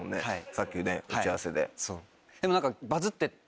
さっきね打ち合わせで。